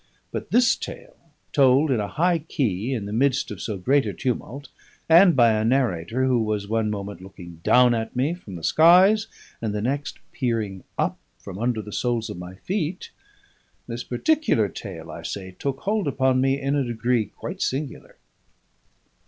But this tale, told in a high key in the midst of so great a tumult, and by a narrator who was one moment looking down at me from the skies and the next peering up from under the soles of my feet this particular tale, I say, took hold upon me in a degree quite singular.